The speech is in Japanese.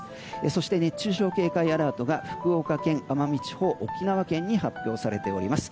そして熱中症警戒アラートが福岡県、奄美地方沖縄県に発表されております。